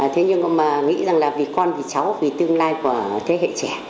thế nhưng mà nghĩ rằng là vì con vì cháu vì tương lai của thế hệ trẻ